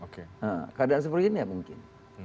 keadaan seperti ini ya mungkin